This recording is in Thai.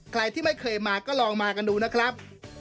ใครที่ไม่เคยมาก็ลองมากันดูนะครับ